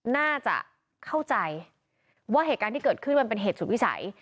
น่าจะเข้าใจว่าเหตุการณ์ที่เกิดขึ้นมันเป็นเหตุสุดวิสัย